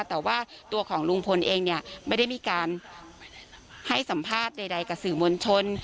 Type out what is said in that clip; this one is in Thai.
แต่ว่าตัวของลุงพลเองเนี่ยไม่ได้มีการให้สัมภาษณ์ใดกับสื่อมวลชน